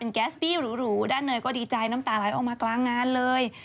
แก๊สปี้หรูด้านเนยก็ดีใจน้ำตาไหลออกมากลางงานเลย